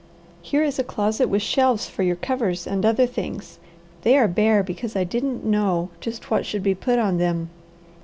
"Here is a closet with shelves for your covers and other things. They are bare because I didn't know just what should be put on them.